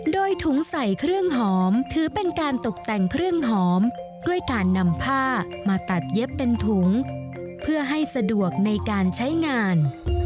โดยถุงใส่เครื่องหอมถือเป็นการตกแต่งเครื่องหอมด้วยการนำผ้ามาตัดเย็บเป็นถุงเพื่อให้สะดวกในการใช้งาน